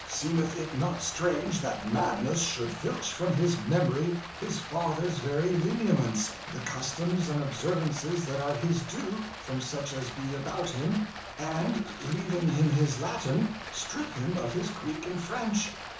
Seemeth it not strange that madness should filch from his memory his father's very lineaments; the customs and observances that are his due from such as be about him; and, leaving him his Latin, strip him of his Greek and French?